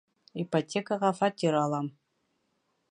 — Ипотекаға фатир алам.